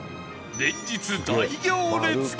連日大行列が！